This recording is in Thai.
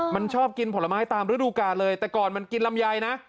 มันชอบกินผลไม้ตามฤดูกาลเลยแต่ก่อนมันกินลำไยนะ